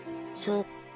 そっか。